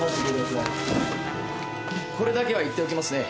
これだけは言っておきますね。